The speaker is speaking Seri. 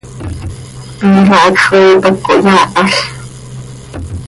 Piila hacx coii pac cohyaahal.